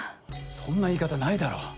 そんな言い方ないだろ。